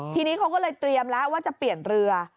ทีนี้เขาก็เลยเตรียมแล้วว่าจะเปลี่ยนเรือ